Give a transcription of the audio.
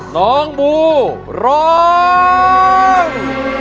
น้องบูร้อง